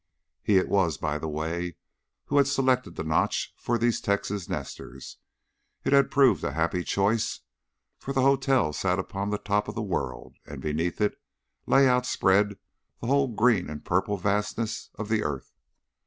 He it was, by the way, who had selected the Notch for these Texas nesters. It had proved a happy choice, for the hotel sat upon the top of the world, and beneath it lay outspread the whole green and purple vastness of the earth.